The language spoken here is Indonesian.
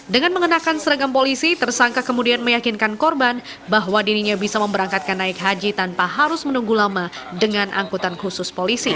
dengan mengenakan seragam polisi tersangka kemudian meyakinkan korban bahwa dirinya bisa memberangkatkan naik haji tanpa harus menunggu lama dengan angkutan khusus polisi